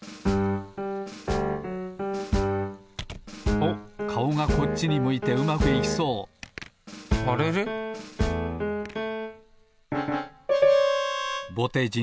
おっかおがこっちに向いてうまくいきそうぼてじん